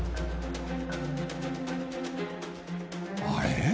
あれ？